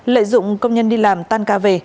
lợi dụng công nhân đi làm tan ca về